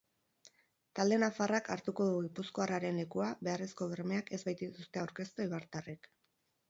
Talde nafarrak hartuko du gipuzkoarraren lekua, beharrezko bermeak ez baitituzte aurkeztu eibartarrek.